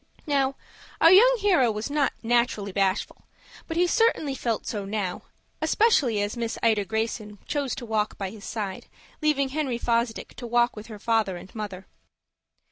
Now, our young hero was not naturally bashful; but he certainly felt so now, especially as Miss Ida Greyson chose to walk by his side, leaving Henry Fosdick to walk with her father and mother.